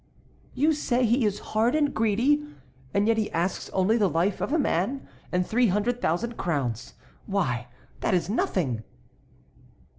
"You say he is hard and greedy—and yet he asks only the life of a man and three hundred thousand crowns. Why, that is nothing!"